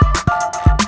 kau mau kemana